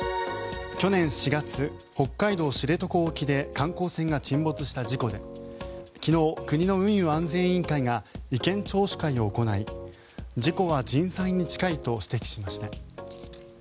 去年４月、北海道・知床沖で観光船が沈没した事故で昨日、国の運輸安全委員会が意見聴取会を行い事故は人災に近いと指摘しました。